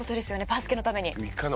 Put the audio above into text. バスケのために。